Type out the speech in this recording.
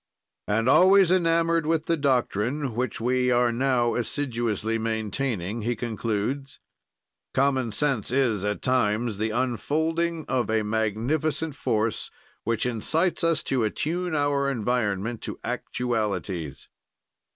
'" And, always enamored with the doctrine, which we are now assiduously maintaining, he concludes: "Common sense is, at times, the unfolding of a magnificent force which incites us to attune our environment to actualities.